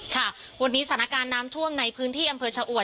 ค่ะวันนี้สถานการณ์น้ำท่วมในพื้นที่อำเภอชะอวด